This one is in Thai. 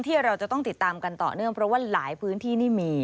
ที่เราจะต้องติดตามกันต่อเนื่องเพราะว่าหลายพื้นที่นี่มี